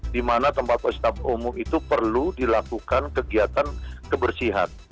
di mana tempat wisata umum itu perlu dilakukan kegiatan kebersihan